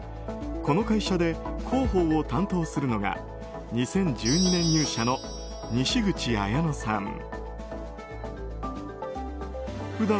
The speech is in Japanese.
この会社で広報を担当するのが２０１２年入社の西口彩乃さん。